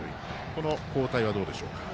この交代はどうでしょうか？